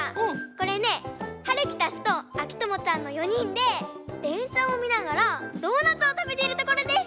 これねはるきたちとあきともちゃんの４にんででんしゃをみながらドーナツをたべてるところです！